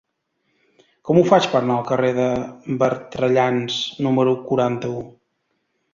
Com ho faig per anar al carrer de Bertrellans número quaranta-u?